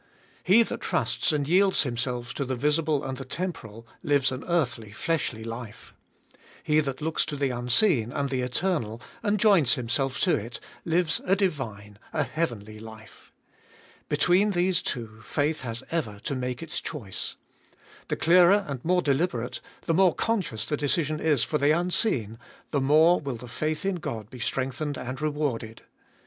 He that trusts and yields himself to the visible and the temporal lives an earthly, fleshly life. He that looks to the unseen and the eternal, and joins himself to it, lives a divine, a heavenly life. Between these two faith has ever to make its choice. The clearer and more deliberate, the more conscious the decision is for the unseen, the more will the faith in God be strengthened and rewarded.